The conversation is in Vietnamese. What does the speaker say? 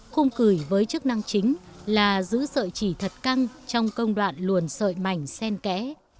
khung cười với chức năng chính là giữ sợi chỉ thật căng trong công đoạn luồn sợi mảnh sen kẽ